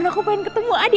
aku pengen ketemu adi